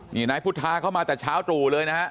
นี่นายพุทธาเข้ามาแต่เช้าตรู่เลยนะฮะ